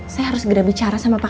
saya harus segera bicara sama pak